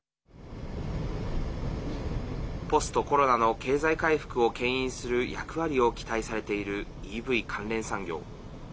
ポストコロナの経済回復をけん引する役割を期待されているＥＶ関連産業。